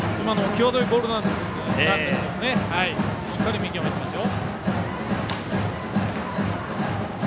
際どいボールなんですけどしっかり見極めていますよ。